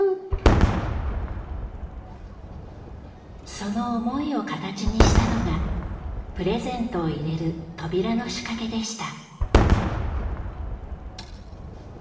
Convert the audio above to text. その思いを形にしたのがプレゼントを入れる扉の仕掛けでした。